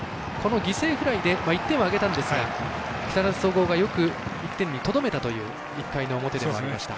犠牲フライで１点を挙げたんですが木更津総合がよく１点にとどめたという１回表でした。